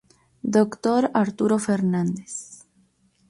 Dr. Arturo Fernández.